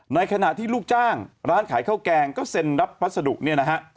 ในขณะที่ลูกจ้างร้านขายข้าวแกงก็เซ็นรับพัสดุเนี่ยนะฮะ